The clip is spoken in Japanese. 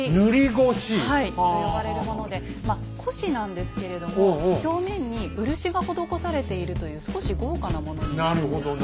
はいと呼ばれるものでまあ輿なんですけれども表面に漆が施されているという少し豪華なものになるんですね。